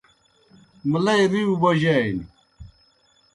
مُلئی رِیؤ بوجانیْ۔